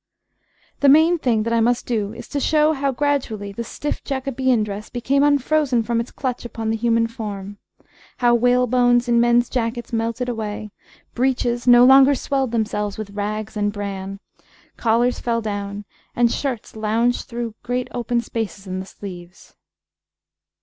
The main thing that I must do is to show how, gradually, the stiff Jacobean dress became unfrozen from its clutch upon the human form, how whalebones in men's jackets melted away, breeches no longer swelled themselves with rags and bran, collars fell down, and shirts lounged through great open spaces in the sleeves.